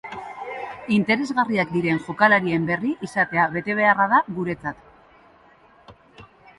Interesgarriak diren jokalarien berri izatea betebeharra da guretzat.